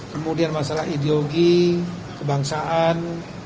kemudian masalah ideologi kebangsaan